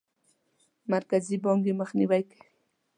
مرکزي بانک یې مخنیوی کوي.